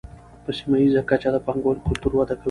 په سیمه ییزه کچه د پانګونې کلتور وده کوي.